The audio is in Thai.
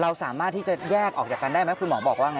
เราสามารถที่จะแยกออกจากกันได้ไหมคุณหมอบอกว่าไง